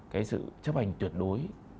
cái sự chấp hành tuyệt đối